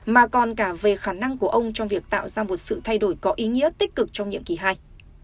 mà còn cả về khả năng của ông trong việc tạo ra một sự thay đổi có ý nghĩa tích cực trong nhiệm kỳ hai